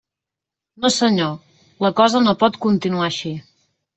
No senyor; la cosa no pot continuar així.